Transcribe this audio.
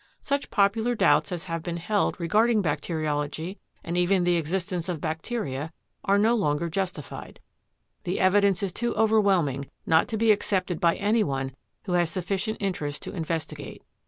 Such popular doubts as have been held regarding bacteriology and even the existence of bacteria are no longer justified. The evidence is too overwhelming not to be accepted by anyone who has sufficient interest to investigate.